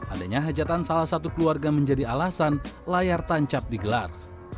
adanya hajatan salah satu keluarga menjadi alasan layar tancap digelar